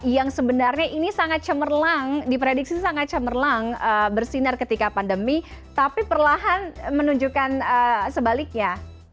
yang sebenarnya ini sangat cemerlang diprediksi sangat cemerlang bersinar ketika pandemi tapi perlahan menunjukkan sebaliknya